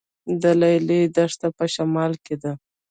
د لیلی دښته په شمال کې ده